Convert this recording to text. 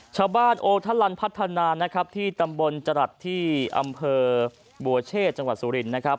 ชาวบ้านโอทัลลันพัฒนาที่ตำบลจรัฐที่อำเภอบัวเชษจังหวัดสุรินทร์นะครับ